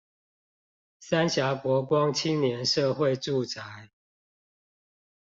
三峽國光青年社會住宅